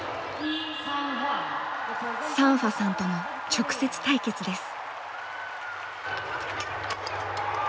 サンファさんとの直接対決です。